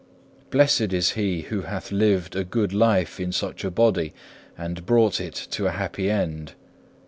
Blessed is he who hath lived a good life in such a body, and brought it to a happy end.